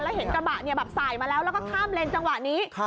แล้วเห็นกระบะสายมาแล้วแล้วก็ข้ามเลนจังหวะนี้